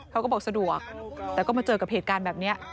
เขาก็บอกสะดวกแต่ก็มาเจอกับเหตุการณ์แบบนี้